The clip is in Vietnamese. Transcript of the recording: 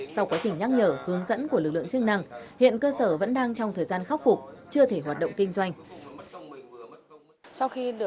sau quá trình nhắc nhở hướng dẫn của lực lượng chức năng hiện cơ sở vẫn đang trong thời gian khắc phục chưa thể hoạt động kinh doanh